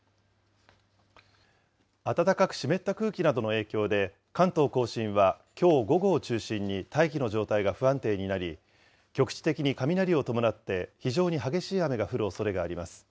暖かく湿った空気などの影響で、関東甲信はきょう午後を中心に、大気の状態が不安定になり、局地的に雷を伴って非常に激しい雨が降るおそれがあります。